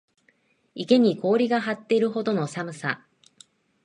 池に氷が張っているほどの寒さ